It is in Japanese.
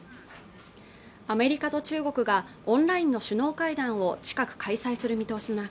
アメリカと中国がオンラインの首脳会談を近く開催する見通しの中